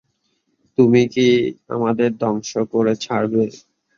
তুমি কি আমাদের ধংস করে ছাড়বে?